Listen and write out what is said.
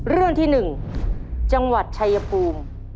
เรื่องที่๑จังหวัดชายภูมิ